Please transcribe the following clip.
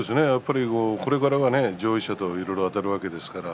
これからは上位者といろいろあたるわけです。